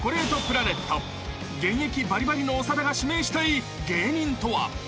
［現役ばりばりの長田が指名したい芸人とは］